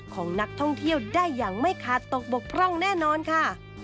ของนักท่องเที่ยวได้อย่างไม่ขาดตกบกพร่องแน่นอนค่ะ